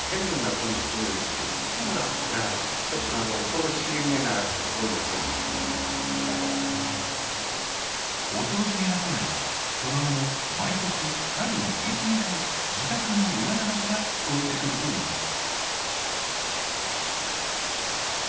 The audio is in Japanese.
恐ろしげな声はその後も毎年春に１２回自宅の裏山から聞こえてくるといいます。